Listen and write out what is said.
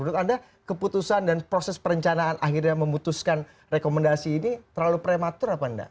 menurut anda keputusan dan proses perencanaan akhirnya memutuskan rekomendasi ini terlalu prematur apa enggak